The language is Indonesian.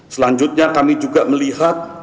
selanjutnya kami juga melihat